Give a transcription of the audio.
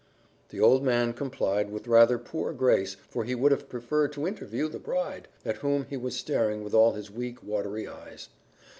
The old man complied with rather poor grace for he would have preferred to interview the bride, at whom he was staring with all his weak, watery eyes.